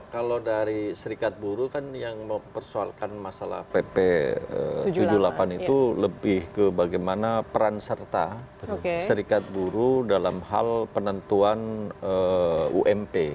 kalau dari serikat buruh kan yang mempersoalkan masalah pp tujuh puluh delapan itu lebih ke bagaimana peran serta serikat buruh dalam hal penentuan ump